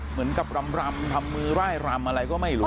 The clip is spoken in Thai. เหมือนกับรำทำมือร่ายรำอะไรก็ไม่รู้